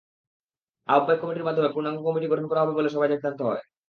আহ্বায়ক কমিটির মাধ্যমে পূর্ণাঙ্গ কমিটি গঠন করা হবে বলে সভায় সিদ্ধান্ত হয়।